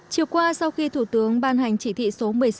chiều qua sau khi thủ tướng ban hành chỉ thị số một mươi sáu